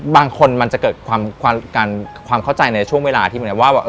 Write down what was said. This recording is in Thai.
บางคนมันจะเกิดความเข้าใจในช่วงเวลาที่เหมือนกับว่า